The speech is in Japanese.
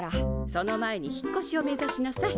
その前に引っこしを目ざしなさい。